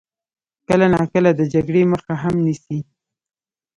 کله ناکله د جګړې مخه هم نیسي.